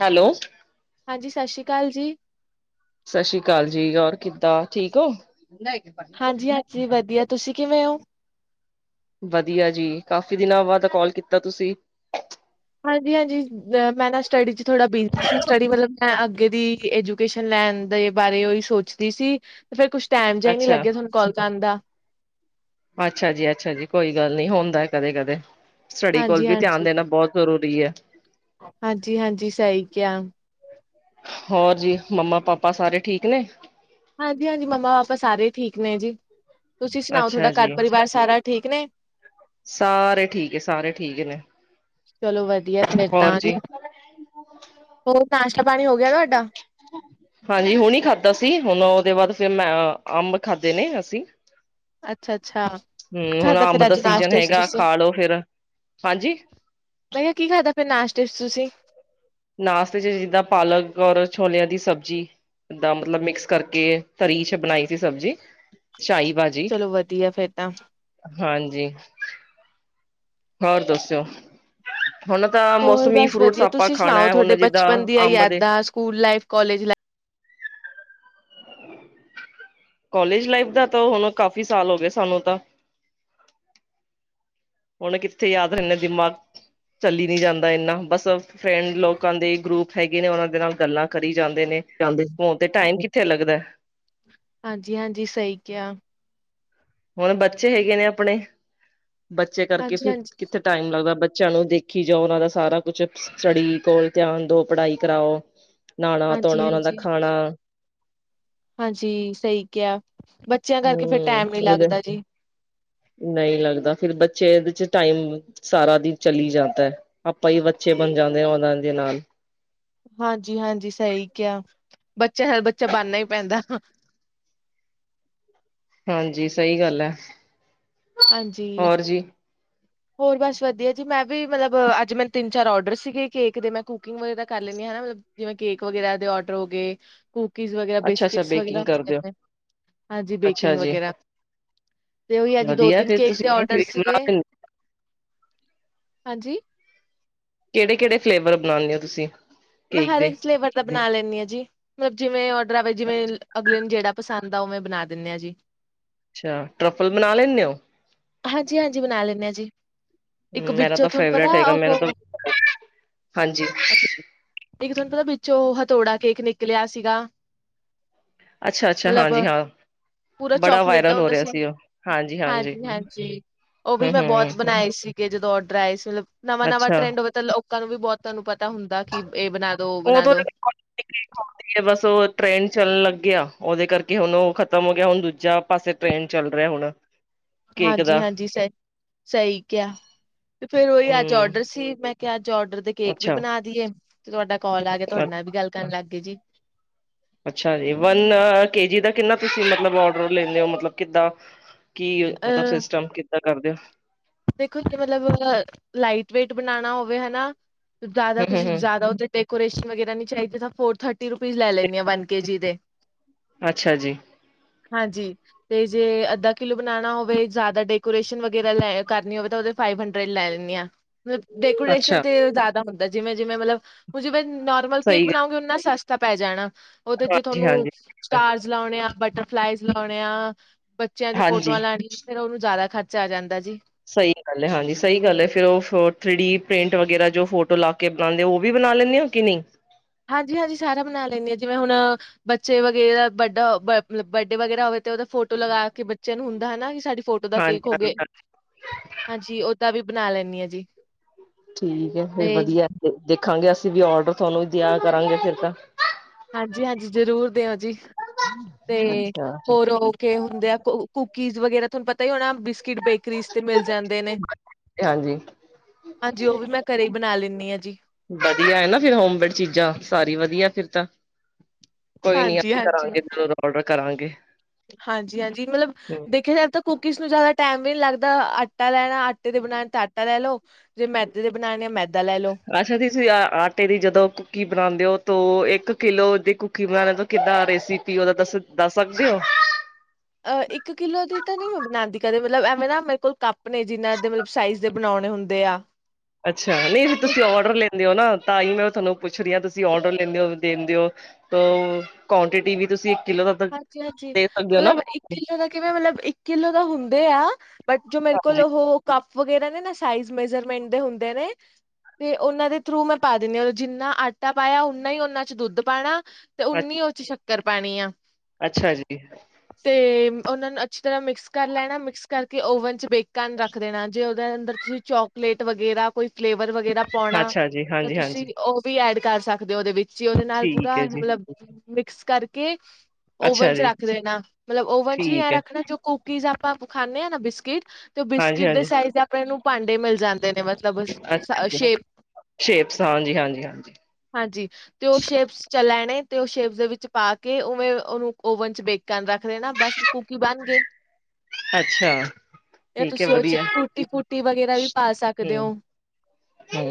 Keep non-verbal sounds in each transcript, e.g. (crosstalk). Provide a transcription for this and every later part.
Hello ਹਾਂਜੀ ਸਤਿ ਸ੍ਰੀ ਅਕਾਲ ਜੀ ਸਤਿ ਸ੍ਰੀ ਅਕਾਲ ਜੀ ਹੋਰ ਕਿੱਦਾਂ ਠੀਕ ਹੋ ਹਾਂਜੀ ਹਾਂਜੀ ਵਧੀਆ ਤੁਸੀਂ ਕਿਵੇਂ ਹੋ ਵਧੀਆ ਜੀ ਕਾਫੀ ਦਿਨਾਂ ਬਾਅਦ ਕਾਲ ਕੀਤਾ ਤੁਸੀਂ ਹਾਂਜੀ, ਹਾਂਜੀ। ਅ ਮੈਂ ਨਾ ਸਟੱਡੀ ਚ ਥੋੜਾ ਬਿਜੀ ਸੀ ਸਟੱਡੀ ਮਤਲਵ ਮੈਂ ਅੱਗੇ ਦੀ ਏਜੂਕੇਸ਼ਨ ਲੈਣ ਦੇ ਬਾਰੇ ਔਹੀ ਸੋਚਦੀ ਸੀ, ਫੇਰ ਕੁਛ ਟੈਮ ਜਿਆ ਈ ਨਹੀ ਅੱਛਾ ਲੱਗੀਆ, ਥੋਨੂੰ ਕਾਲ ਕਰਨ ਦਾ। ਅੱਛਾ ਜੀ, ਅੱਛਾ ਜੀ, ਕੋਈ ਗੱਲ ਨੀ, ਹੋਂਦਾ ਏ ਕਦੇ-ਕਦੇ। ਸਟੱਡੀ ਕੋਲ ਹਾਂਜੀ ਵੀ ਧਿਆਨ ਹਾਂਜੀ ਦੇਨਾ ਬਹੁਤ ਜ਼ਰੂਰੀ ਐ। ਹਾਂਜੀ, ਹਾਂਜੀ, ਸਹੀ ਕਿਆ। ਹੋਰ ਜੀ, ਮੰਮਾ-ਪਾਪਾ ਸਾਰੇ ਠੀਕ ਨੇ? ਹਾਂਜੀ, ਹਾਂਜੀ, ਮੰਮਾ-ਪਾਪਾ ਸਾਰੇ ਠੀਕ ਨੇ ਜੀ। ਤੁਸੀਂ ਸੁਣਾਓ? ਅੱਛਾ ਥੋਡਾ ਜੀ ਘਰ-ਪਰਿਵਾਰ ਸਾਰਾ ਠੀਕ ਨੇ? ਸਾਰੇ ਠੀਕ ਏ, ਸਾਰੇ ਠੀਕ ਏ। ਚਲੋ ਵਧੀਆ ਫੇਰ ਤਾਂ ਜੀ। ਹੋਰ ਨਾਸ਼ਤਾ ਪਾਣੀ ਹੋ ਗਿਆ ਤੁਹਾਡਾ ਹਾਂਜੀ, ਹੁਨ ਈ ਖਾਧਾ ਸੀ। ਹੁਣ ਔਦੇ ਬਾਅਲਦ ਫੇਰ, ਮੈਂ ਅੰਬ ਖਾਧੇ ਨੇ ਅਸੀ। ਅੱਛਾ ਅੱਛਾ ਕੀ ਹੂੰ, ਹੁਣ ਖਾਧਾ ਅੰਬ ਫਿਰ ਦਾ ਅੱਜ ਸੀਜਨ ਨਾਸ਼ਤੇ 'ਚ ਹੈਗਾ ਤੁਸੀਂ ਖਾ ਲੋ ਫੇਰ। ਹਾਂਜੀ। ਮੈਂ ਕਿਹਾ ਕੀ ਖਾਧਾ ਫਿਰ ਨਾਸ਼ਤੇ ਚ ਤੁਸੀ? ਨਾਸ਼ਤੇ ਚ ਜਿੱਦਾਂ ਪਾਲਕ ਔਰ ਛੋਲਿਆਂ ਦੀ ਸਬਜ਼ੀ। ਦਾ ਮਤਲਵ ਮਿਕਸ ਕਰਕੇ ਤਰੀ ਚ ਬਨਾਈ ਸੀ ਸਬਜ਼ੀ। ਸ਼ਾਹੀ ਭਾਜੀ ਚਲੋ ਵਧੀਆ ਫੇਰ ਤਾਂ। ਹਾਂਜੀ। ਔਰ ਦੱਸੋ? ਹੁਣ ਤਾਂ ਹੋਰ ਮੌਸਮੀ ਬਸ ਫਰੂਟਸ ਵਧੀਆ ਅਪਾ ਤੁਸੀਂ ਸੁਣਾਓ ਖਾਣਾ, ਹੁਣ ਤੁਹਾਡੇ ਜਿੱਦਾਂ ਬਚਪਨ ਦੀਆਂ ਅੰਬ ਦੇ ਯਾਦਾਂ school life college life college life ਦਾ ਤਾਂ ਹੁਣ ਕਾਫੀ ਸਾਲ ਹੋ ਗਏ ਸਾਨੂੰ ਤਾਂ। ਹੁਣ ਕਿੱਥੇ ਯਾਦ ਰਹਿਨਾ ਦਿਮਾਗ- ਚੱਲੀ ਨੀ ਜਾਂਦਾ ਇੰਨਾ। ਬਸ ਫਰੈਂਡ ਲੋਕਾਂ ਦੇ ਗਰੁੱਪ ਹੈਗੇ ਨੇ ਔਨਾਂ ਦੇ ਨਾਲ ਗੱਲਾ ਕਰੀ ਜਾਂਦੇ ਨੇ, ਜਾਂਦੇ ਹੋਣ ਤੇ ਟਾਈਮ ਕਿੱਥੇ ਲੱਗਦਾ। ਹਾਂਜੀ, ਹਾਂਜੀ। ਸਹੀ ਕੇਹਾ। ਹੁਣ ਬੱਚੇ ਹੈਗੇ ਨੇ ਆਪਣੇ, ਬੱਚੇ ਕਰਕੇ ਫ ਹਾਂਜੀ ਹਾਂਜੀ ਕਿੱਥੇ ਟਾਈਮ ਲੱਗਦਾ। ਬੱਚਿਆਂ ਨੂੰ ਦੇਖੀ ਜਾਓ, ਉਹਨਾਂ ਦਾ ਸਾਰਾ ਕੁਛ ਸਟੱਡੀ ਕੋਲ ਧਿਆਨ ਦੋ, ਪੜਾਈ ਕਰਾਔ। ਨਾਣਾ-ਧੋਣਾ, ਹਾਂਜੀ ਔਨਾ ਦਾ ਹਾਂਜੀ ਖਾਣਾ। ਹਾਂਜੀ, ਸਹੀ ਕਿਆ ਬੱਚਿਆਂ ਕਰਕੇ ਫਿਰ ਹਮ ਟੈਮ ਉਹਦੇ, ਨਹੀਂ ਲੱਗਦਾ। ਫੇਰ ਬੱਚੇ ਇਦੇ ਚ ਟਾਈਮ ਸਾਰਾ ਦਿਨ ਚੱਲੀ ਜਾਂਦਾ ਏ, ਆਪਾ ਈ ਬੱਚੇ ਬਨ ਜਾਂਦੇ ਆ ਔਨਾ ਦੇ ਨਾਲ। ਹਾਂਜੀ, ਹਾਂਜੀ, ਸਹੀ ਕਿਹਾ। ਬੱਚਿਆ ਨਾ ਬੱਚਾ ਬਣਨਾ ਹੀ ਪੈਂਦਾ। ਹਾਂਜੀ, ਸਹੀ ਗੱਲ ਏ। ਹਾਂਜੀ। ਹੋਰ ਬਸ ਵਧੀਆ ਜੀ, ਮੈਂ ਵੀ ਮਤਲਬ ਅੱਜ ਮੈਨ ਤਿੰਨ-ਚਾਰ ਔਡਰ ਸੀਗੇ ਕੇਕ ਦੇ। ਮੈਂ ਕੁਕਿੰਗ ਵਗੈਰਾ ਕਰ ਲੈਨੀ ਹਨਾ ਮਤਲਵ ਜਿਵੇ ਕੇਕ ਵਗੈਰਾ ਦੇ ਔਡਰ ਹੋ ਗੇ ਕੁੂਕੀਜ਼ ਵਗੈ, ਅੱਛਾ ਅੱਛਾ ਬਿਸਕਿਟਸ ਬੇਕਿੰਗ ਵਗੈਰਾ, ਕਰਦੇ ਹੋ ਹਾਂਜੀ, ਅੱਛਾ ਬੇਕਿੰਗ ਜੀ ਵਗੈਰਾ। ਤੇ ਉਹੀ ਅੱਜ ਵਧੀਆ ਦੋ-ਤਿੰਨ ਫਿਰ ਕੇਕ ਤੁਸੀਂ ਦੇ ਔਡਰ ਕੇਕ ਸੀਗੇ, ਬਣਾ ਲੈਂਦੇ ਹਾਂਜੀ। ਕੇੜੇ-ਕੇੜੇ ਫਲੇਵਰ ਬਣਾਨੇ ਔ ਤੁਸੀ? ਮੈ ਹਰ ਇੱਕ ਫਲੇਵਰ ਦਾ ਬਨਾ ਲੈਨੀ ਆ ਜੀ, ਮਤਲਵ ਜਿਵੇ ਔਡਰ ਆਵੇ, ਜਿਵੇਂ ਅਗਲੇ ਜੇੜਾ ਪਸੰਦ ਆ, ਉਵੇਂ ਬਨਾ ਦਿਨੇ ਆ ਜੀ। ਅੱਛਾ ਟਰਫਲ ਬਣਾ ਲੈਂਦੇ ਹੋ ਹਾਜੀ, ਹਾਜੀ, ਬਨਾ ਲੈਨੇ ਆ ਜੀ। ਇੱਕ ਮੇਰਾ ਵਿੱਚੋ ਤਾਂ ਥੋਨੂੰ ਫੇਵਰੇਟ ਪਤਾ ਹੈਗਾ ਮੇਰਾ ਤਾਂ ਉਹ, ਹਾਂਜੀ, ਅੱਛਾ। ਇੱਕ ਥੋਨੂੰ ਪਤਾ ਵਿੱਚੋ ਹਥੌੜਾ ਕੇਕ ਨਿਕਲਿਆ ਸੀਗਾ? ਅੱਛਾ, ਅੱਛਾ, ਮਤਲਬ ਹਾਂਜੀ ਹਾਂ। ਪੂਰਾ ਬੜਾ ਚੋਕਲੇਟ ਦਾ ਵਾਇਰਲ ਹੋ ਹੁੰਦਾ ਰਿਹਾ ਸੀ, ਉਹ ਹਾਂਜੀ-ਹਾਂਜੀ। ਹਾਂਜੀ-ਹਾਂਜੀ। ਉਹ ਵੀ ਮੈ ਹੂੰ-ਹੂੰ, ਬਹੁਤ ਬਣਾਏ ਸੀਗੇ, ਜਦੋਂ ਔਡਰ ਆਏ ਸੀ, ਮਤਲਵ ਨਵਾ-ਨਵਾ ਅੱਛਾ। ਟਰੈਂਡ ਹੋਵੇ ਤਾਂ ਲੋਕਾਂ ਨੂੰ ਵੀ ਬਹੁਤ, ਤਾਂਨੂੰ ਪਤਾ ਹੁੰਦਾ ਕਿ ਇਹ ਬਣਾ ਦੋ ਉਹ ਬਣਾ ਓਦੋ ਦੋ, (inaudible) ਓ ਟ੍ਰੇਨ ਚਲ ਲਗੇ ਆ ਓਦੇ ਕਰਕੇ ਹੁਨ ਓ ਖਤਮ ਹੋ ਗਿਆ, ਹੁਨ ਦੂਜਾ ਪਾਸੇ ਟ੍ਰੇਨ ਚੱਲ ਰਿਆ ਹੁਣ। ਕੇਕ ਹਾਂਜੀ, ਦਾ, ਹਾਂਜੀ, ਸਈ, ਸਈ ਕਿਆ ਤੇ ਫੇਰ ਓਈ ਅੱਜ ਹੂੰ, ਔਡਰ ਸੀ, ਮੈਂ ਕਿ ਅੱਜ ਔਡਰ ਦੇ ਕੇਕ ਵੀ ਅੱਛਾ। ਬਨਾ ਦੀਏ, ਤੇ ਤੁਵਾਡਾ ਕੋਲ ਆ ਗਿਆ, ਤੁਹਾਡੇ ਨਾਲ ਵੀ ਗੱਲ ਕਰਨ ਲੱਗ ਗਏ ਜੀ। ਅੱਛਾ ਜੀ, ਵਨ ਕੇ ਜੀ ਦਾ ਕਿੰਨਾ ਤੁਸੀ ਮਤਲਬ ਓਰਡਰ ਲੈਨੇ ਓ, ਮਤਲਬ ਕਿੱਦਾ? ਕੀ ਅ ਮਤਲਬ ਸਿਸਟਮ ਕਿੱਦਾ ਕਰਦੇ ਔ? ਦੇਖੋ (unintelligible) ਲਾਈਟ ਵੇਟ ਬਨਾਣਾ ਹੋਵੇ, ਹਨਾ ਜਾਦਾ ਕੁਛ, ਹੂੰ-ਹੂੰ, ਹੂੰ, ਜਾਦਾ ਉਤੇ ਡੈਕੋਰੇਸ਼ਨ ਵਗੈਰਾ ਨੀ ਚਾਈਦੀ, ਤਾ ਫੋਰ ਥਰਟੀ ਰੁਪੀਜ਼ ਲੈ ਹੂੰ, ਲੈਨੇ ਆ ਵਨ ਕੇ ਜੀ ਦੇ। ਅੱਛਾ ਜੀ। ਹਾਂਜੀ, ਤੇ ਜੇ ਅੱਧਾ ਕਿਲੋ ਬਨਾਨਾ ਹੋਵੇ, ਜਾਦਾ ਡੈਕੋਰੇਸ਼ਨ ਵਗੈਰਾ ਲੈ ਕਰਨੀ ਹੋਵੇ ਤੇ ਓਦੇ ਫਾਈਵ ਹੰਡਰਡ ਲੈ ਲੈਨੀ ਆ, ਮਤਲਬ ਡੈਕੋਰੇਸ਼ਨ ਅੱਛਾ। ਤੇ ਜਾਦਾ ਹੁੰ ਜਿਵੇਂ-ਜਿਵੇਂ ਮਲਬ ਹੁਨ ਜਿਵੇ ਨੋਰਮਲ ਕੇਕ ਸਹੀ ਗੱਲ, ਬਨਾਉਂਗੀ ਉਨਾ ਸਸਤਾ ਪੈ ਜਾਨਾ। ਓਦੇ ਚ ਥੋਨੂੰ ਹਾਂਜੀ-ਹਾਂਜੀ, ਹਾਂਜੀ। ਸਟਾਰਸ ਲਾਉਨੇ ਆ, ਬਟਰਫਲਾਈਜ਼ ਲੋਨੇ ਆ ਬੱਚਿਆਂ ਦੀ ਹਾਂਜੀ ਫੋਟੋਆਂ ਲਾਨੀ, ਫੇਰ ਓਨੂੰ ਜਾਦਾ ਖਰਚਾ ਆ ਜਾਂਦਾ ਜੀ। ਸਈ ਗੱਲ ਏ, ਹਾਂਜੀ ਸਈ ਗੱਲ ਏ ਫੇਰ ਓ (unintelligible) ਥ੍ਰੀ ਡੀ ਪ੍ਰਿੰਟ ਵਗੈਰਾ ਜੋ ਫੋਟੋ ਲਾ ਕੇ ਬਨਾਂਦੇ ਓ ਵੀ ਬਨਾ ਲੈ (unintelligible) ਕਿ ਨਈ ਹਾਂਜੀ, ਹਾਂਜੀ ਸਾਰਾ ਬਨਾ ਲੈਨੀ ਆ ਜਿਵੇ, ਹੁਨ ਬੱਚੇ ਵਗੈਰਾ ਵੱਡਾ (inaudible) ਬਰਡੇ ਵਗੈਰਾ ਹੋਵੇ ਤੇ ਓਦਾ ਫੋਟੋ ਲਗਾ ਕੇ ਬੱਚਆ ਨੂੰ ਹੁੰਦਾ ਹਨਾ, ਕਿ ਸਾਡੀ ਫੋਟੋ ਦਾ ਹਾਂਜੀ ਕੇਕ ਹਾਂਜੀ ਹੋਗੇ, ਹਾਂਜੀ ਹਾਂਜੀ ਓੱਦਾ ਵੀ ਬਨਾ ਲੈਨੀ ਆ ਜੀ। ਠੀਕ ਐ ਫੇਰ ਤੇ ਵਦੀਐ ਦੇਖਾਂਗੇ, ਅਸੀ ਵੀ ਓਡਰ ਥੋਨੂੰ ਦੇਆ ਕਰਾਂਗੇ ਫੇਰ ਤਾ। ਹਾਂਜੀ, ਹਾਂਜੀ ਜ਼ਰੂਰ ਦੇਓ ਜੀ, ਤੇ ਅੱਛਾ ਹੋਰ ਹੋ ਕੇ ਹੁੰਦੇ ਆ। (unintelligible) ਕੁੂਕੀਜ਼ ਵਗੈਰਾ ਥੋਨੂੰ ਪਤਾ ਈ ਹੋਨਾ, ਬਿਸਕਿਟ ਬੇਕਰੀਜ਼ ਤੇ ਮਿਲ ਜਾਂਦੇ ਨੇ। ਹਾਂਜੀ ਹਾਂਜੀ, ਓ ਵੀ ਮੈਂ ਘਰੇ ਈ ਬਨਾ ਲੈਨੀ ਆ ਜੀ। ਵਦੀਆ ਏ ਨਾ ਫੇਰ, ਹੋਮਮੇਡ ਚੀਜ਼ਾਂ ਸਾਰੀ ਵਦੀਆ ਫੇਰ ਤਾਂ ਕੋਈ ਨੀ ਅਸੀ ਕਰਾਂਗੇ, ਜਦੋ ਓਡਰ ਕਰਾਂਗੇ। ਹਾਂਜੀ, ਹਾਂਜੀ ਮਤਲਬ ਹਮ, ਦੇਖਿਆ ਜਾਵੇ, ਤਾ ਕੁਕੀਜ਼ ਨੂੰ ਜਾਦਾ ਟੈਮ ਵੀ ਨੀ ਲੱਗਦਾ, ਆਟਾ ਲੈਨ ਆਟੇ ਦੇ ਬਨਾਨੇ ਤਾ ਆਟਾ ਲੈ ਲੋ, ਜੇ ਮੈਦੇ ਦੇ ਬਨਾਨੇ ਆ ਮੈਦਾ ਲੈ ਲੋ। ਅੱਛਾ, ਤੁਸੀ ਆ ਆਟੇ ਦੀ ਜਦੋ ਕੁੱਕੀ ਬਨਾਂਦੇ ਹੋ ਤੋ ਏੱਕ ਕਿਲੋ ਦੀ ਕੁਕੀ ਬਨਾਨੇ ਤੋ ਕਿੱਦਾ ਰੈਸਿਪੀ, ਓਦਾ ਦੱਸ- ਦੱਸ ਸਕਦੇ ਓ? ਅ ਏੱਕ ਕਿਲੋ ਦੀ ਤਾ ਨੀ ਮੈਂ ਬਨਾਂਦੀ ਕਦੇ ਮਤਲਬ ਐਵੇ, ਨਾ ਮੇਰੇ ਕੋਲ ਕੱਪ ਨੇ, ਜਿਨਾਂ ਦੇ ਮਲਬ ਸਾਈਜ਼ ਦੇ ਬਨੋ (unintelligible) ਹੁੰਦੇ ਆ। ਅੱਛਾ, ਨਈ ਫੇਰ ਤੇ ਤੁਸੀ ਓਡਰ ਲੈਂਦੇ ਓ ਨਾ ਤਾ ਈ ਮੈਂ ਤੋਨੂੰ ਪੁੱਛ ਰੀ ਆ, ਤੁਸੀ ਓਡਰ ਲੈਂਦੇ ਓ, ਦੇਂਦੇ ਓ ਤੋ ਕੋਂਟਿਟੀ ਵੀ ਤੁਸੀ ਹਾਂਜੀ, ਹਾਂਜੀ ਮਲਬ ਇੱਕ ਕਿੱਲੋ ਦਾ ਕਿਵੇਂ, ਮਤਲਬ ਇੱਕ ਕਿੱਲੋ ਦਾ ਹੁੰਦੇ ਆ ਬਟ ਜੋ ਮੇਰੇ ਕੋਲ ਹਾਂਜੀ (unintelligible) ਕੱਪ ਵਗੈਰਾ ਨੇ ਨਾ, ਸਾਈਜ਼ ਮੇਜਰਮੈਂਟ ਦੇ ਹੁੰਦੇ ਨੇ ਤੇ ਓਨਾਂ ਦੇ ਥਰੂ ਮੈਂ ਪਾ ਦੇਨੀ ਆ, ਜਿੰਨਾ ਆਟਾ ਪਾਇਆ ਉਨਾ ਈ ਓਨਾਂ ਚ ਦੁੱਧ ਪਾਨਾ। ਤੇ ਅੱਛ- ਉਨੀ ਓਦੇ ਚ ਸ਼ੱਕਰ ਪੈਨੀ ਆ। ਅੱਛਾ ਜੀ। ਤੇ ਓਨਾ ਨੂੰ ਅੱਛੀ ਤਰਾ ਮਿਕਸ ਕਰ ਲੈਨਾ, ਮਿਕਸ ਕਰਕੇ ਓਵਨ ਚ ਬੇਕ ਕਰਨ ਰੱਖ ਦੇਨਾ, ਜੇ ਓ ਅੰਦਰ ਤੁਸੀ ਚੋਕਲੇਟ ਵਗੈਰਾ, ਕੋਈ ਫਲੇਵ ਵਰ ਵਗੈਰਾ ਪੋਣਾ ਅੱਛਾ ਜੀ ਤਾ ਹਾਂਜੀ ਤੁਸੀ ਹਾਂਜੀ ਓ ਵੀ ਐਡ ਕਰ ਸਕਦੇ ਓ ਓਦੇ ਵਿੱਚ ਤੁਸੀ ਓਦੇ ਨਾਲ ਠੀਕ ਪੂਰਾ ਹੈ ਜੀ ਮਲਬ ਮਿਕਸ ਕਰਕੇ ਓਵਨ ਅੱਛਾ ਚ ਜੀ ਰੱਖ (unintelligible) ਮਲਬ ਓਵਨ ਚ ਵੀ ਐਂ ਠੀਕ ਹੈ ਰੱਖਨਾ ਜੋ ਕੂਕੀਜ਼ ਆਪਾ ਖਾਂਦੇ ਆ ਨਾ ਬਿਸਕਿਟ ਤੇ ਓ ਹਾਂਜੀ ਬਿਸਕਿਟ ਦੇ ਹਾਂਜੀ ਸਾਈਜ਼ ਆਪਨੇ ਨੂੰ ਪਾਂਡੇ ਮਿਲ ਜਾਂਦੇ ਨੇ ਮਤਲਬ ਅੱਛਾ (inaudible) ਜੀ ਸ਼ੇਪ ਸ਼ੇਪਸ ਹਾਂਜੀ ਹਾਂਜੀ ਹਾਂਜੀ ਹਾਂਜੀ, ਤੇ ਓ ਸ਼ੇਪਸ ਚੱਲ ਲੈਨੇ ਤੇ ਓ ਸ਼ੇਪਸ ਦੇ ਵਿੱਚ ਪਾ ਕੇ ਉਵੇਂ ਓਨੂੰ ਓਵਨ ਚ ਬੇਕ ਕਰਨ ਰੱਖ ਦੇਨਾ, ਬੱਸ ਕੂਕੀ ਬਾਨਗੇ। ਅੱਛਾ। ਯਾ, ਠੀਕ ਹੈ ਤੁਸੀਂ ਓਦੇ ਚ ਵਧੀਆ ਟੂਟੀ-ਫੂਟੀ ਵਗੈਰਾ ਵੀ ਪਾ ਸਕਦੇ ਹਮ ਓ। ਹਮ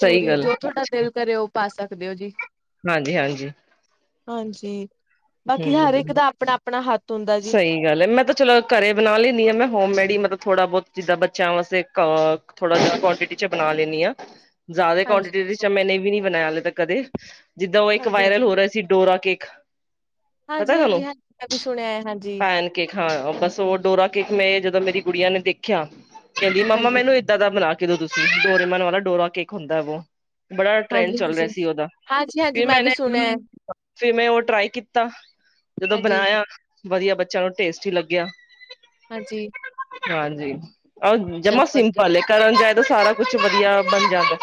ਸਹੀ ਗੱਲ ਜੋ ਥੋਡਾ ਦਿਲ ਕਰੇ ਓ ਪਾ ਸਕਦੇ ਓ ਜੀ। ਹਾਂਜੀ-ਹਾਂਜੀ। ਹਾਂਜੀ, ਬਾਕੀ ਹਰ ਇੱਕ ਦਾ ਆਪਣਾ ਆਪਣਾ ਹੱਥ ਹੁੰਦਾ ਜੀ ਸਹੀ ਗੱਲ ਹੈਏ ਮੈਂ ਤਾਂ ਚਲੋ ਘਰੇ ਬਣਾ ਲੈਂਨੀ ਹਾਂ, ਮੈਂ ਹੋਮੇਡ ਹੀ ਮਤਲਬ ਥੋੜਾ ਬਹੁਤ ਜਿੱਦਾਂ ਬੱਚਿਆਂ ਵਾਸਤੇ ਅ ਥੋੜਾ ਜਾਂ ਕੁਆਂਟਿਟੀ ਚ ਬਣਾ ਲੈਨੀ ਆ। ਜ਼ਿਆਦਾ ਹਾਂਜੀ ਕੁਆਂਟਿਟੀ ਮੈਨੇ ਵੀ ਨੀ ਬਣਾਇਆ ਹੱਲੇ ਤਕ ਕਦੇ, ਜਿੱਦਾਂ ਉਹ ਇੱਕ ਹਾਂਜੀ ਵਾਇਰਲ ਹਾਂਜੀ ਹੋ ਰਿਹਾ ਸੀ ਡੋਰਾ ਕੇਕ ਪਤਾ ਹਾਂਜੀ ਹਾਂਜੀ ਤੁਹਾਨੂੰ ਹਾਂਜੀ ਮੈਂ ਵੀ ਸੁਣਿਆ ਹੈ ਹਾਂਜੀ ਪੈਨ ਕੇਕ ਹਾਂ ਬਸ ਉਹ ਡੋਰਾ ਕੇਕ ਮੈਂ ਮੇਰੀ ਕੁੜੀਆਂ ਨੇ ਦੇਖਿਆ ਕਹਿੰਦੀ ਮਮਾਂ ਹਾਂਜੀ ਮੈਨੂੰ ਇੱਦਾਂ ਦਾ ਬਣਾ ਕੇ ਦੋ ਤੁਸੀਂ, ਡੋਰੇਮੋਨ ਵਾਲਾ ਡੋਰਾ ਕੇਕ ਹੁੰਦਾ ਵੋ ਬੜਾ ਟ੍ਰੈਂਡ ਚੱਲ ਰਿਹਾ ਹਾਂਜੀ-ਹਾਂਜੀ, ਸੀ ਉਹਦਾ, ਹਾਂਜੀ-ਹਾਂਜੀ ਫਿਰ ਮੈਂ ਵੀ ਮੈਂਨੇ ਸੁਣਿਆ ਐ, ਫਿਰ ਮੈਂ ਉਹ ਟਰਾਈ ਕੀਤਾ। ਤਾ ਜਦੋਂ ਹਾਂਜੀ-ਹਾਂਜੀ। ਬਣਾਇਆ, ਵਧੀਆ ਬੱਚਿਆਂ ਨੂੰ ਟੇਸਟੀ ਲੱਗਿਆ ਹਾਂਜੀ ਹਾਂਜੀ, ਆ ਚੱਲ ਜਮਾ ਵਧੀਆ। ਸਿੰਪਲ ਕਰਨ ਜਾਏ ਤਾਂ ਸਾਰਾ ਕੁਛ ਵਧੀਆ ਬਣ ਜਾਂਦਾ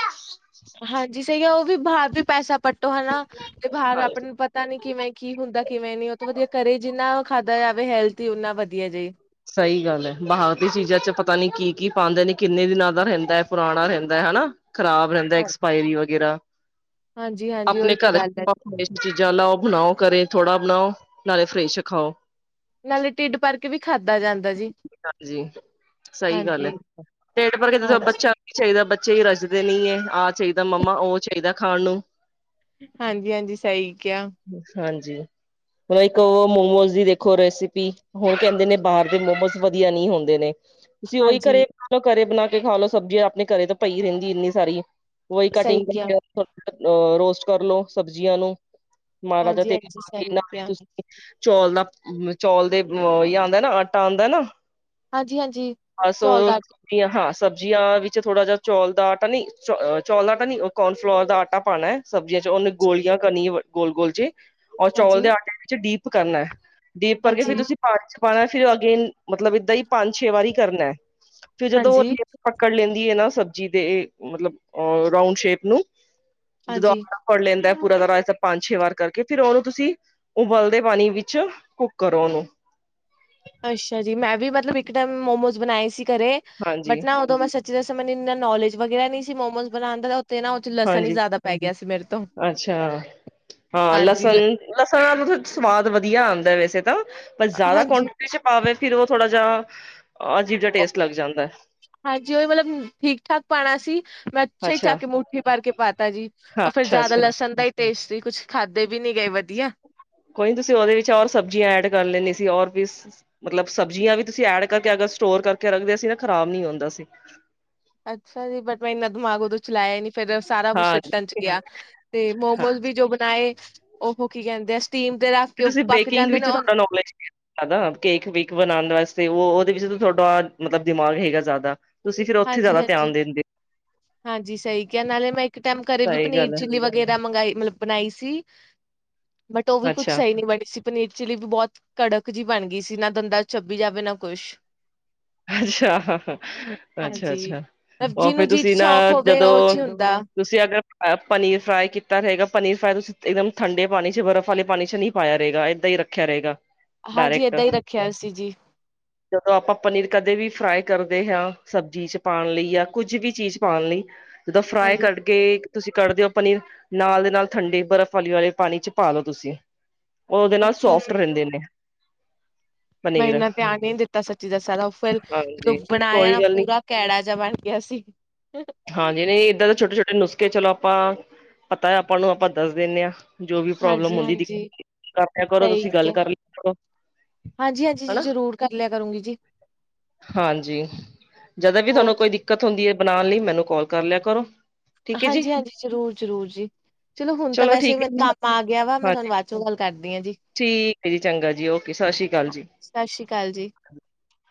ਹਾਂਜੀ, ਸਹੀ ਆ ਉਹ ਵੀ ਬਾਹਰ ਵੀ ਪੈਸਾ ਪੱਟੋ ਹਨਾ, ਤੇ ਬਾਹਰ ਹਾਂਜੀ। ਆਪਣੇ ਨੂੰ ਪਤਾ ਨੀ ਕਿਵੇਂ ਕੀ ਹੁੰਦਾ ਕਿਵੇਂ ਨੀ ਉਹ ਤੋਂ ਵਧੀਆ ਕਰੇ ਜਿੰਨਾ ਖਾਧਾ ਜਾਵੇ ਹੈਲਦੀ ਊਨਾ ਵਧੀਆ ਜੇ। ਸਹੀ ਗੱਲ ਹੈ, ਬਾਹਰ ਦੀਆਂ ਚੀਜ਼ਾਂ ਚ ਪਤਾ ਨੀ ਕੀ ਕੀ ਪਾਉਂਦੇ ਨੇ ਕਿੰਨੇ ਦਿਨਾਂ ਦਾ ਰਹਿੰਦਾ ਹੈ ਪੁਰਾਣਾ ਰਹਿੰਦਾ ਹਨਾ ਖ਼ਰਾਬ ਰਹਿੰਦਾ ਐਕਸਪਾਇਰੀ ਵਗੈਰਾ। ਹਾਂਜੀ-ਹਾਂਜੀ ਆਪਣੇ ਉਹੀ ਤਾਂ ਕਰ ਚ ਗੱਲ ਐ, ਆਪਾਂ ਹ ਚੀਜ਼ਾਂ ਲਾਓ ਬਣਾਓ ਕਰੇ। ਥੋੜਾ ਬਣਾਓ ਨਾਲੇ ਫਰੈਸ਼ ਖਾਓ। ਨਾਲੇ ਟਿਡ ਭਰ ਕੇ ਵੀ ਖਾਧਾ ਜਾਂਦਾ ਜੀ। ਹਾਂਜੀ ਸਹੀ ਗੱਲ ਹੈ, ਹਾਂਜੀ, ਟਿਡ ਪਰ ਕਿਤੇ ਬੱਚਾ ਵੀ ਚਾਹੀਦਾ (unintelligible) ਰਜਦੇ ਨਹੀਂ ਹੈ, ਆਹ ਚਾਹੀਦਾ ਮੰਮਾ ਉਹ ਚਾਹੀਦਾ ਖਾਣ ਨੂੰ। ਹਾਂਜੀ-ਹਾਂਜੀ ਸਹੀ ਕਿਹਾ। ਮਤਲਬ ਇੱਕ ਉਹ ਮੋਮੋਜ਼ ਦੀ ਦੇਖੋ ਰੈਸਿਪੀ ਹੁਣ ਕਹਿੰਦੇ ਨੇ ਬਾਹਰ ਦੇ ਮੋਮੋਸ ਵਧੀਆ ਨਹੀਂ ਹੁੰਦੇ ਨੇ ਤੁਸੀਂ ਉਹੀ ਹਾਂਜੀ ਘਰੇ ਘਰੇ ਬਣਾ ਖਾ ਲਓ ਸਬਜ਼ੀਆਂ ਆਪਣੇ ਘਰੇ ਤੋਂ ਪਈ ਰਹਿੰਦੀ ਇੰਨੀ ਸਾਰੀ ਵਹੀ ਸਹੀ ਕਟਿੰਗ ਕਿਹਾ। ਕਰਕੇ ਅ ਰੋਸਟ ਕਰਲੋ ਸਬਜ਼ੀਆਂ ਨੂੰ। ਮਹਾਰਾਜਾ ਤੇਰੇ ਹਾਂਜੀ-ਹਾਂਜੀ ਸਹੀ (unintelligible) ਕਿਹਾ, ਤੁਸੀਂ ਚੌਲ ਦਾ ਚੌਲ ਦੇ ਜਾਂ ਨਾ ਆਟਾ ਆਂਦਾ ਨਾ ਹਾਂਜੀ-ਹਾਂਜੀ ਬਸ ਚੌਲ ਉਹ ਦਾ ਸ ਹਾਂਜੀ, ਹਾਂ ਸਬਜ਼ੀਆਂ ਵਿੱਚ ਥੋੜਾ ਜਿਹਾ ਚੌਲ ਦਾ ਆਟਾ ਨੀ ਚੋਲ ਦਾ ਆਟਾ ਨੀ ਕੋਰਨਫਲੋਵਰ ਦਾ ਆਟਾ ਪਾਣਾ ਹੈ ਸਬਜ਼ੀਆਂ ਚ ਉਣੁ ਗੋਲਿਆਂ ਚ ਕਰਨੀ ਗੋਲ ਗੋਲ ਜੇ ਔਰ ਚੌਲ ਦੇ ਹਾਂਜੀ, ਆਟੇ ਵਿੱਚ ਡੀਪ ਕਰਨਾ ਡੀਪ ਕਰਕੇ ਹਾਂਜੀ, ਫਿਰ ਤੁਸੀਂ ਪਾਣੀ ਚ ਪਾਣਾ ਫਿਰ ਅੱਗੇਨ ਮਤਲਬ ਏਦਾਂ ਹੀ ਪੰਜ ਛੇ ਵਾਰੀ ਕਰਨਾ ਹੈ ਫਰ ਜਦੋਂ ਉਹ ਰੇ ਪਕੜ ਲੈਂਦੀ ਹੈ ਨਾ ਸ ਜੀ ਦੇ ਮਤਲਬ ਅ ਰਾਊਂਡ ਸ਼ੇਪ ਨੂੰ ਜਦੋਂ ਹਾਂਜੀ। ਆਟਾ ਫੜ ਲੈਂਦਾ ਪੂਰਾ ਤਰ੍ਹਾਂ ਇਸ ਤ ਪੰਜ ਛੇ ਵਾਰ ਕਰਕੇ ਫਿਰ ਉਹਨੂੰ ਤੁਸੀਂ ਉਬਲਦੇ ਪਾਣੀ ਵਿੱਚ ਕੁੱਕ ਕਰੋ ਉਹਨੂੰ। ਅੱਛਾ ਜੀ, ਮੈਂ ਵੀ ਮਤਲਬ ਇੱਕ ਟਮ ਮੋਮੋਸ ਬਣਾਏ ਸੀ ਕਰੇ ਹਾਂਜੀ ਬਟ ਨਾ ਉਦੋਂ ਮੈਂ ਸੱਚ ਦਸਾ ਮੈਨੂੰ ਇੰਨਾ ਨੋਲੇਜ ਵਗੈਰਾ ਨਹੀਂ ਸੀ ਮੋਮੋਸ ਬਣਾਣ ਦਾੱ ਊਤ ਤੇ ਨਾ ਉੱਥੇ ਲਸਣ ਹੀ ਹਾਂਜੀ ਜ਼ਿਆਦਾ ਪੈ ਗਿਆ ਸੀ ਮੇਰੇ ਤੋਂ ਅੱਛਾ। ਹਾਂ ਹਾਂਜੀ ਲਸਣ ਲ- ਲਸਣ ਸਵਾਦ ਵਧੀਆ ਆਂਦਾ ਵੈਸੇ ਤਾਂ ਪਰ ਜ਼ਿਆਦਾ ਹਾਂਜੀ ਕੁਆਂਟੀਟੀ ਚ ਪਾਵੇ ਫਿਰਰ ਉਹ ਥੋੜਾ ਜਾਂ ਅਜੀਬ ਜਾਂ ਉਹ- ਟੇਸਟ ਲੱਗ ਜਾਂਦਾ ਹਾਂਜੀ ਉਹ ਵੀ ਮਤਲਬ ਠੀਕ ਠਾਕ ਪਾਣਾ ਸੀ ਮੈਂ ਅੱਛਾ ਹੀ ਚੱਕ ਕੇ ਮੂਠੀ ਪਰ ਕੇ ਪਾਤਾ ਜੀ, ਹਾਂ ਉਹ ਫੇਰ ਜ਼ਿਆਦਾ ਅੱਛਾ-ਅੱਛਾ ਲਸਣ ਦਾ ਹੀ ਟੇਸਟ ਸੀ ਕੁਛ ਖਾਧਦੇ ਵੀ ਨੀ ਗਏ ਵਧ ਕੋਈ ਨੀ ਤੁਸੀਂ ਉਹਦੇ ਵਿੱਚ ਰ ਸਬਜ਼ੀਆਂ ਐਡ ਕਰ ਲੈਣੀ ਸੀ ਔਰ ਵੀ ਮਤਲਬ ਸਬਜ਼ੀਆਂ ਵੀ ਤੁਸੀਂ ਐਡ ਕਰਕੇ ਅ ਸਟੋਰ ਕਰਕੇ ਰੱਖਦੇ ਸੀ ਨਾ ਖਰਾਬ ਨੀ ਹੁੰਦਾ ਸੀ ਅੱਛਾ ਜੀ, ਬਟ ਮੈਂ ਇੰਨਾ ਦਿਮਾਗ ਉਦੋਂ ਚਲਾਇਆ ਨੀ। ਫਿਰ ਸਾਰਾ ਕੁਛ ਹਾਂ ਸਿੱਟਣ ਚ ਗਿਆ ਤੇ ਹਾਂ ਮੋਮੋਜ਼ ਵੀ ਜੋ ਬਣਾਏ ਉਹ ਕੀ ਕਹਿੰਦੇ ਅ ਤੁਸੀਂ ਬੇਕਿੰਗ ਵਿੱਚ ਤੁਹਾਡਾ ਨੋਲੇਜ (unintelligible) ਕੇਕ ਵੈਕ ਬਣਾਣ ਵਾਸਤੇ। ਉਹਦੇ ਵਿੱਚ ਤੁਹਾਡਾ ਮਤਲਬ ਦਿਮਾਗ ਹੈਗਾ ਜ਼ਿਆਦਾ ਤੁਸੀਂ ਫਿਰ ਉੱਥੇ ਹਾਂਜੀ ਜ਼ਿਆਦਾ ਹਾਂਜੀ ਧਿਆਨ ਦਿੰਦੇ ਹਾਂਜੀ, ਸਹੀ ਕਿਹਾ ਨਾਲੇ ਮੈਂ ਇੱਕ ਟਾਈਮ ਘਰੇ ਵੀ ਸਹੀ ਪਨੀਰ ਗੱਲ ਹੈ ਚਿੱਲੀ ਵਗੈਰਾ ਮੰਗਈ ਮਤਲਬ ਬਣਾਈ ਸੀ। ਬਟ ਉਹ ਵੀ ਕੁਛ ਅੱਛਾ ਸਹੀ ਨਹੀਂ ਬਣੀ ਸੀ ਪਨੀਰ ਚਿਲੀ ਵੀ ਬਹੁਤ ਕੜਕ ਜਿਹੀ ਬਣ ਗਈ ਸੀ ਨਾ ਦੰਦਾਂ ਛੱਬੀ ਜਾਵੇ ਨਾ ਕੁਛ ਅੱਛਾ ਅੱਛਾ ਹਾਂਜੀ ਅੱਛਾ ਮਤਲਬ ਉਹ ਜਿਹਨੂੰ ਫੇ ਜੀ ਤੁਸੀਂ ਸ਼ੌਕ ਹੋਵੇ ਜਦੋਂ ਉਹ ਚ ਹੀ ਹੁੰਦਾ ਤੁਸੀਂ ਪਨੀਰ ਫਰਾਈ ਕੀਤਾ ਰਹੇਗਾ ਪਨੀਰ ਫਰਾਈ ਤੁਸੀਂ ਇੱਕਦਮ ਠੰਡੇ ਪਾਣੀ ਚ ਬਰਫ਼ ਵਾਲੇ ਪਾਣੀ ਚ ਨੀ ਪਾਇਆ ਰਹੇਗਾ ਇਦਾਂ ਹੀ ਰੱਖਿਆ ਰਹੇਗਾ ਹਾਂਜੀ ਏਦਾਂ ਹੀ ਡਾਇਰੈਕਟ ਰੱਖਿਆ ਸੀ ਜੀ। ਜਦੋਂ ਆਪਾਂ ਪਨੀਰ ਕਦੇ ਵੀ ਫਰਾਈ ਕਰਦੇ ਹ ਸਬਜ਼ੀ ਚ ਪਾਉਣ ਲਈ ਜਾਂ ਕੁੱਝ ਵੀ ਚੀਜ਼ ਪਾਉਣ ਲਈ ਜਿੱਦਾਂ ਫਰਾਈ ਹਾਂਜੀ ਕਰਕੇ ਤੁਸੀਂ ਕੱਢਦੇ ਹੋ ਪਨੀਰ ਨਾਲ ਦੇ ਨਾਲ ਠੰਡੇ ਬਰਫ਼ ਵਾਲੀ ਵਾਲੇ ਪਾਣੀ ਚ ਪਾ ਲਓ ਤੁਸੀਂ ਉਹ ਉਹਦੇ ਨਾਲ ਅੱਛਾ ਸੋਫਟ ਜੀ ਰਹਿੰਦੇ ਨੇ ਮੈਂ ਪਨੀਰ ਇੰਨਾ ਧਿਆਨ ਨੀ ਦਿੱਤਾ ਸੱਚੀ ਦਾ ਸਾ ਉਹ ਫਿਰ ਜਦੋਂ ਹਾਂਜੀ ਬਣਾਇਆ ਨਾ ਕੋਈ ਗੱਲ ਨੀ ਪੂਰਾ ਕੈੜਾ ਜਿਹਾ ਬਣ ਗਿਆ ਸੀ ਹਾਂਜੀ ਨਹੀਂ ਇੱਦਾਂ ਦੇ ਛੋਟੇ ਛੋਟੇ ਨੁਸਖੇ ਚਲੋ ਆਪਾਂ ਆਪਾਂ ਪਤਾ ਆਪਾਂ ਨੂੰ ਆਪਾਂ ਦੱਸ ਦਿੰਦੇ ਹਾਂ ਜੋ ਵੀ ਪ੍ਰੋਬਲਮ ਹੁੰਦੀ ਹਾਂਜੀ-ਹਾਂਜੀ ਕਰ ਕਰੋ ਤੁਸੀਂ ਗੱਲ ਕਰ ਲ ਕਰੋ ਹਾਂਜੀ ਹਾਂਜੀ ਜੀ ਹਨਾ ਜ਼ਰੂਰ ਕਰ ਲਿਆ ਕਰੂੰਗੀ ਜੀ ਹਾਂਜੀ ਜਦੋਂ ਵੀ ਹੋਰ ਤੁਹਾਨੂੰ ਕੋਈ ਦਿੱਕਤ ਹੁੰਦੀ ਹੈ ਬਣਾਉਣ ਲਈ ਮੈਨੂੰ ਕਾਲ ਕਰ ਲਿਆ ਕਰੋ ਠੀਕ ਹੈ ਜੀ ਹਾਂਜੀ ਹਾਂਜੀ ਜ਼ਰੂਰ ਜ਼ਰੂਰ ਜੀ ਚਲੋ ਹੁਣ ਤਾਂ ਵੈਸੇ ਠੀਕ ਵੀ ਹੈ ਮੇਨੂੰ ਜੀ ਕੰਮ ਆ ਗਿਆ ਵਾ ਮੈਂ ਤੁਹਾਨੂੰ ਹਾਂਜੀ ਬਾਅਦ ਚੋਂ ਗੱਲ ਕਰਦੀ ਹਾਂ ਜੀ ਠੀਕ ਹੈ ਜੀ ਚੰਗਾ ਜੀ ਓਕੇ ਸਤਿ ਸ਼੍ਰੀ ਅਕਾਲ ਜੀ ਸਤਿ ਸ੍ਰੀ (inaudible)